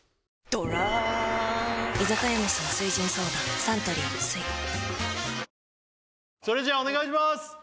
ドランサントリー「翠」それじゃあお願いします